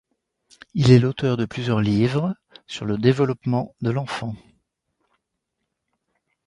Il est l'auteur de plusieurs livres sur le développement de l'enfant.